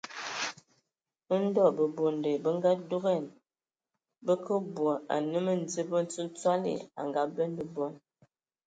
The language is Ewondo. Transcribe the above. Ndɔ bəbonde bə ngadugan, bə kə bɔ anə Məndim mə Ntsotsɔli a ngabende bɔ.